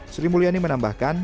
sri mulyani menambahkan